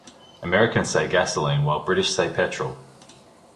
Americans say gasoline while British say petrol.